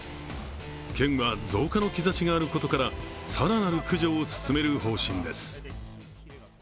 県は増加の兆しがあることから更なる駆除を進める方針です。